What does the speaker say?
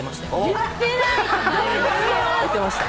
言ってないです！